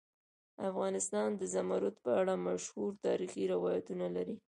افغانستان د زمرد په اړه مشهور تاریخی روایتونه لري.